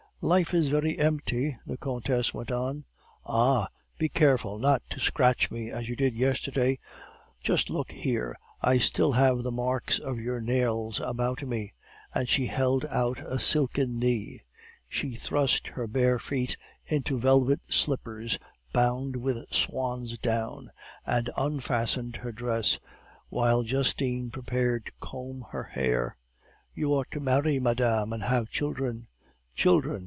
"'Life is very empty,' the countess went on. 'Ah! be careful not to scratch me as you did yesterday. Just look here, I still have the marks of your nails about me,' and she held out a silken knee. She thrust her bare feet into velvet slippers bound with swan's down, and unfastened her dress, while Justine prepared to comb her hair. "'You ought to marry, madame, and have children.' "'Children!